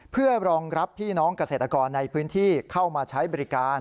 เพื่อรองรับพี่น้องเกษตรกรในพื้นที่เข้ามาใช้บริการ